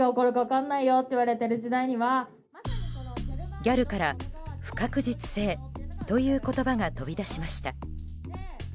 ギャルから不確実性という言葉が飛び出しました。